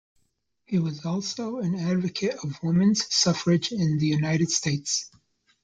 He was also an advocate of Women's suffrage in the United States.